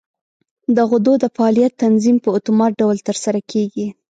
د غدو د فعالیت تنظیم په اتومات ډول تر سره کېږي.